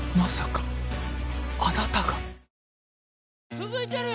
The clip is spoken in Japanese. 続いてるよ